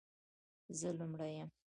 زه لومړۍ یم،